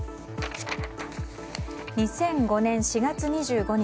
２００５年４月２５日